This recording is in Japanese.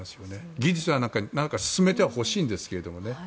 技術は何か進めてはほしいんですけどね。